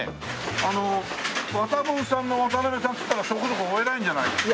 あの渡文さんの渡邉さんっつったらそこそこお偉いんじゃないですか？